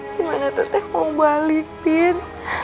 gimana tete mau balik bin